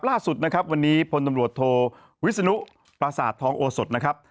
ล่าสุดนะครับวันนี้พลตำรวจโทวิศนุปราสาททองโอสดนะครับ